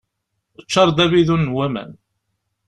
Ččar-d abidun n waman.